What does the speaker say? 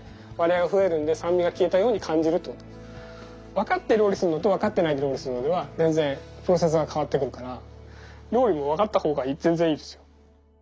分かって料理するのと分かってないで料理するのでは全然プロセスが変わってくるから料理も分かった方が全然いいですよ。